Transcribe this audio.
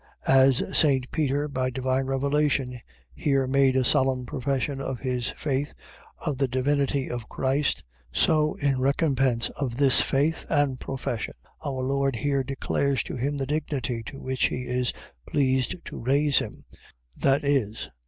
.As St. Peter, by divine revelation, here made a solemn profession of his faith of the divinity of Christ; so in recompense of this faith and profession, our Lord here declares to him the dignity to which he is pleased to raise him: viz.